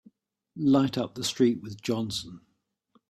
Light up with the street with Johnson!